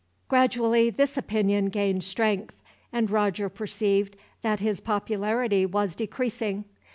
Gradually this opinion gained strength, and Roger perceived that his popularity was decreasing.